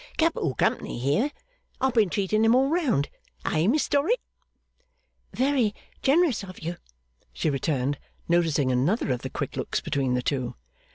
Capital company here. I've been treating 'em all round. Eh, Miss Dorrit?' 'Very generous of you,' she returned, noticing another of the quick looks between the two.